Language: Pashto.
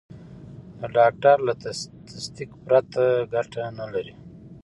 د ډاکټر له تصدیق پرته ګټه نه لري.